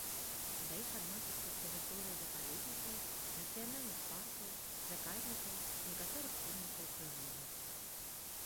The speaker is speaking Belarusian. Да іх адносяцца тэрыторыі запаведнікаў, нацыянальных паркаў, заказнікаў, некаторых помнікаў прыроды.